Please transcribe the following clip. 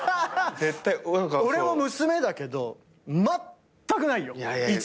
俺も娘だけどまったくないよ。